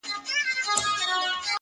پخواني ښارونه اوس هم مشهور دي